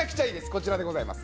こちらでございます。